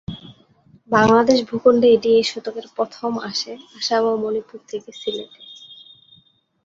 বাংলাদেশ ভূখন্ডে এটি এ শতকের প্রথমে আসে আসাম ও মণিপুর থেকে সিলেটে।